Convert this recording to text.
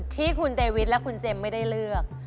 ที่คุณเดวิทและคุณเจมส์ไม่ได้เลือก